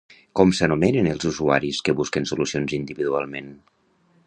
Com s'anomenen els usuaris que busquen solucions individualment?